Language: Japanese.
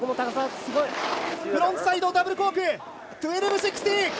フロントサイドダブルコーク１２６０。